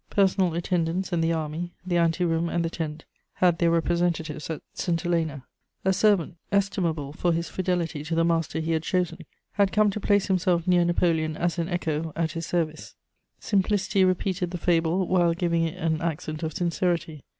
Personal attendance and the army, the ante room and the tent had their representatives at St. Helena: a servant, estimable for his fidelity to the master he had chosen, had come to place himself near Napoleon as an echo at his service. Simplicity repeated the fable, while giving it an accent of sincerity.